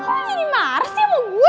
lo jadi marah sih sama gue